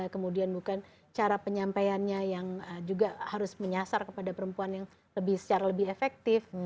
kemudian bukan cara penyampaiannya yang juga harus menyasar kepada perempuan yang secara lebih efektif